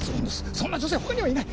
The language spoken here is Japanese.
そんな女性他にはいない！